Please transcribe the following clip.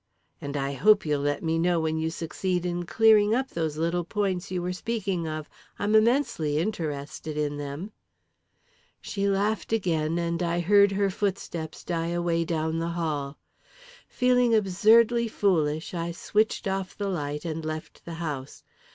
And I hope you'll let me know when you succeed in clearing up those little points you were speaking of I'm immensely interested in them." She laughed again, and I heard her footsteps die away down the hall. Feeling absurdly foolish, I switched off the light, and left the house.